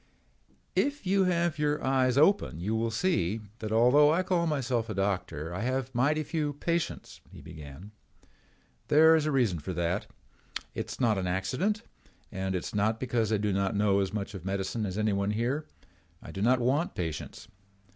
"If you have your eyes open you will see that although I call myself a doctor I have mighty few patients," he began. "There is a reason for that. It is not an accident and it is not because I do not know as much of medicine as anyone here. I do not want patients.